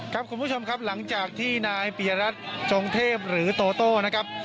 ครับคุณผู้ชมครับหลังจากที่นายปียรัฐจงเทพหรือโตโต้นะครับ